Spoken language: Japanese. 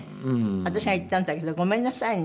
私が言ったんだけどごめんなさいね。